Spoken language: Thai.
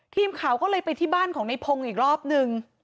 ทีมข่าวก็เลยไปที่บ้านของในพงศ์อีกรอบนึง